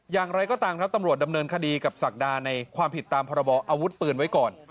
อย่างไรก็ตามครับตำรวจดำเนินคดีกับศักดาในความผิดตามพรบออาวุธปืนไว้ก่อน